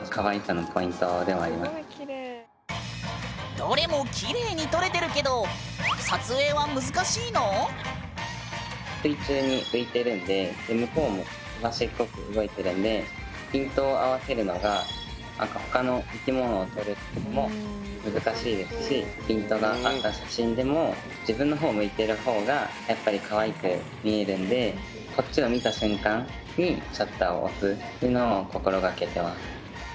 どれもキレイに撮れてるけど水中に浮いてるんで向こうもすばしっこく動いてるんでピントを合わせるのが他の生き物を撮る時よりも難しいですしピントが合った写真でも自分のほうを向いてるほうがやっぱりかわいく見えるんでこっちを見た瞬間にシャッターを押すというのを心がけてます。